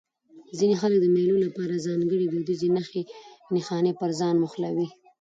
ځيني خلک د مېلو له پاره ځانګړي دودیزې نخښي نښانې پر ځان موښلوي.